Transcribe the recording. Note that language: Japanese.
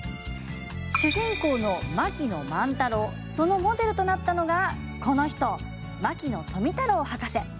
主人公の槙野万太郎そのモデルとなったのが、この人牧野富太郎博士。